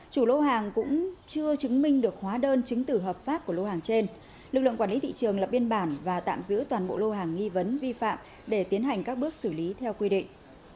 chủ lô hàng cũng chưa chứng minh được hóa đơn chứng tử hợp pháp của lô hàng trên lực lượng quản lý thị trường lập biên bản và tạm giữ toàn bộ lô hàng nghi vấn vi phạm để tiến hành các bước xử lý theo quy định